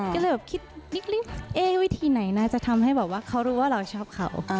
ก็เลยคิดแบบอ้าวไว้ทีไหนน่าจะทำให้เขารู้ว่าเราชอบเขา